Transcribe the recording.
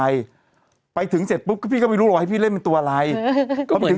แล้วพี่ก็ตัดสินใจเล่น